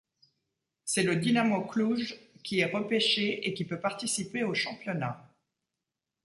C'est le Dinamo Cluj qui est repêché et qui peut participer au championnat.